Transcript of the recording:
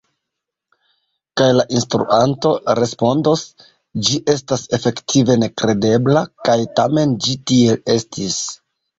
Kaj la instruanto respondos: « ĝi estas efektive nekredebla, kaj tamen ĝi tiel estis!